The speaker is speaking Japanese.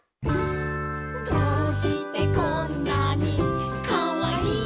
「どうしてこんなにかわいいの」